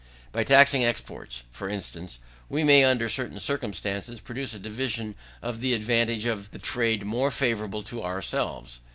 By taxing exports, for instance, we may, under certain circumstances, produce a division of the advantage of the trade more favourable to ourselves.